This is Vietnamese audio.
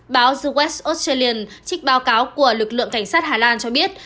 báo the west australian trích báo cáo của lực lượng cảnh sát hà lan cho biết